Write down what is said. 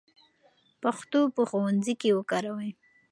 پښتو په ښوونځي کې وکاروئ.